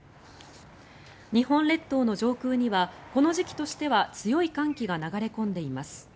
日本列島の上空にはこの時期としては強い寒気が流れ込んでいます。